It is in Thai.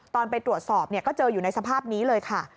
ไปตรวจสอบก็เจออยู่ในสภาพนี้เลยค่ะ